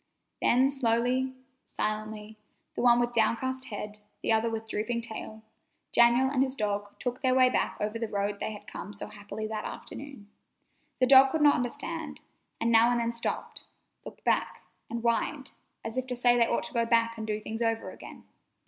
Then slowly, silently, the one with downcast head, the other with drooping tail, Daniel and his dog took their way back over the road they had come so happily that afternoon. The dog could not understand, and now and then stopped, looked back, and whined, as if to say they ought to go back and do things over again.